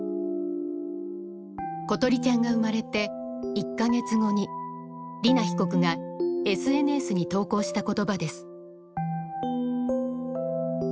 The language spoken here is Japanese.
詩梨ちゃんが生まれて１か月後に莉菜被告がＳＮＳに投稿した言葉です。